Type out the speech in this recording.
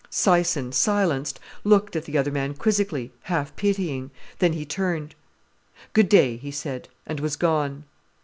Syson, silenced, looked at the other man quizzically, half pitying. Then he turned. "Good day," he said, and was gone.